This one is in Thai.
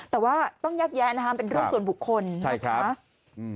แต่ว่าต้องแยกแยะนะคะเป็นเรื่องส่วนบุคคลนะครับ